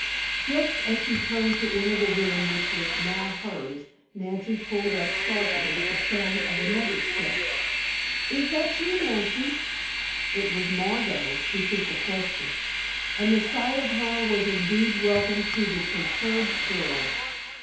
Just as she turned to enter the room which was now hers, Nancy pulled up sharply at the sound of another step. "Is that you, Nancy?" It was Margot who put the question, and the sight of her was indeed welcome to the perturbed girl.